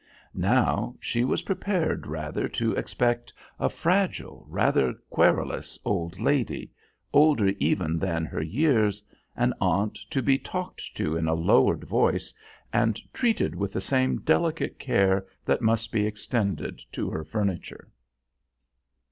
Now, she was prepared rather to expect a fragile, rather querulous old lady, older even than her years; an aunt to be talked to in a lowered voice and treated with the same delicate care that must be extended to her furniture.